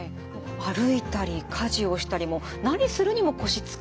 歩いたり家事をしたりもう何するにも腰使いますからね。